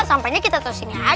sampahnya kita terus sini aja